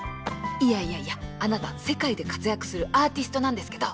いやいやいやあなた世界で活躍するアーティストなんですけど！